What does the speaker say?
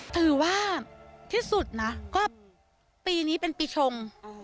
ถือว่าที่สุดนะก็ปีนี้เป็นปีชง